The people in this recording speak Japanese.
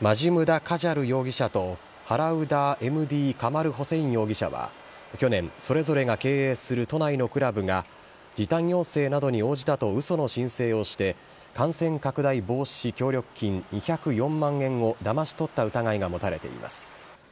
マジュムダ・カジャル容疑者とハウラダー・エムディ・カマル・ホセイン容疑者は去年、それぞれが経営する都内のクラブが時短要請などに応じたとうその申請をして、感染拡大防止協力金２０４万円をだまし取った疑いが持たれています。